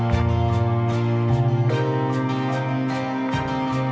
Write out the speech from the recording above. hẹn gặp lại